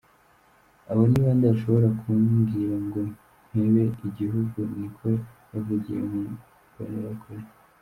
"Abo ni bande bashobora kumbwira ngo mpebe igihugu?", niko yavugiye ku mbonerakure.